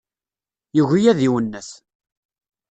Yugi ad d-iwennet.